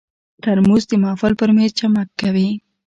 ترموز د محفل پر مېز چمک کوي.